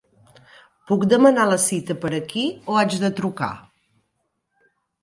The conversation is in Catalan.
Puc demanar la cita per aquí o haig de trucar?